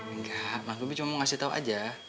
enggak mas bobi cuma mau ngasih tau aja